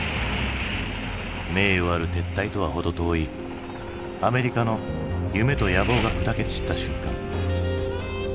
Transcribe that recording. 名誉ある撤退とは程遠いアメリカの夢と野望が砕け散った瞬間。